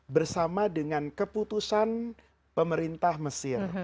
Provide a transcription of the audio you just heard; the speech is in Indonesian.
bersama dengan keputusan pemerintah mesir